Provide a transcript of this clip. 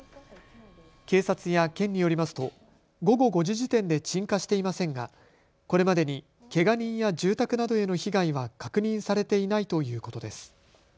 警察や県によりますと午後５時時点で鎮火していませんが、これまでにけが人や住宅などへの被害は確認されていないということです。